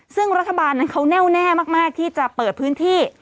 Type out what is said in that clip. ซึ่งรัฐบาลนั้นเขาแน่วแน่มากที่จะเปิดพื้นที่